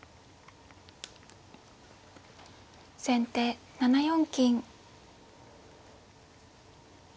先手７四金。